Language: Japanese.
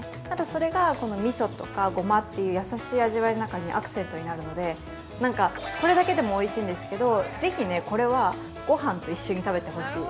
それが、みそとかごまとかという優しい味わいの中にアクセントになるのでこれだけでもおいしいんですけど、ぜひこれは、ごはんと一緒に食べてほしい。